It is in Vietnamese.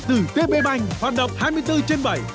từ tb banh